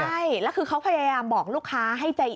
ใช่แล้วคือเขาพยายามบอกลูกค้าให้ใจ